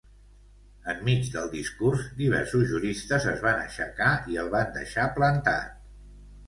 Enmig del discurs, diversos juristes es van aixecar i el van deixar plantat.